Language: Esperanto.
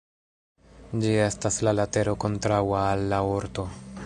Ĝi estas la latero kontraŭa al la orto.